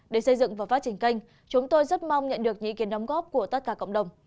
để xây dựng và phát triển kênh chúng tôi rất mong nhận được những ý kiến đóng góp của tất cả cộng đồng